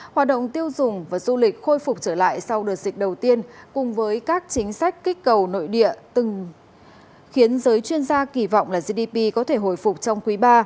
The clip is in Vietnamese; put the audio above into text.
hoạt động tiêu dùng và du lịch khôi phục trở lại sau đợt dịch đầu tiên cùng với các chính sách kích cầu nội địa từng khiến giới chuyên gia kỳ vọng là gdp có thể hồi phục trong quý ba